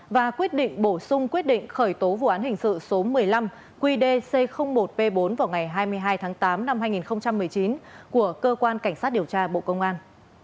và quyết định bổ sung quyết định khởi tố vụ án hình sự số một mươi năm qdc một p bốn vào ngày hai mươi hai tháng tám năm hai nghìn một mươi chín của cơ quan cảnh sát điều tra bộ công an